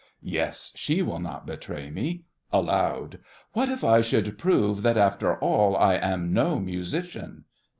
Yes! She will not betray me! (Aloud.) What if it should prove that, after all, I am no musician?